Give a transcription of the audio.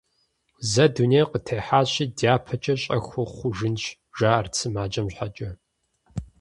Зэ дунейм къытехьащи, дяпэкӀэ щӀэхыу хъужынщ, – жаӀэрт сымаджэм щхьэкӀэ.